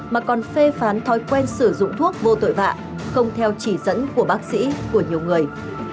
mà còn phê phán thói quen sử dụng thuốc vô tội vạ không theo chỉ dẫn của bác sĩ của nhiều người